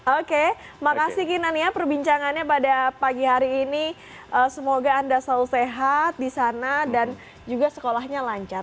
oke makasih kinan ya perbincangannya pada pagi hari ini semoga anda selalu sehat di sana dan juga sekolahnya lancar